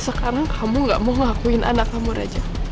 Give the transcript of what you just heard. sekarang kamu gak mau ngakuin anak kamu aja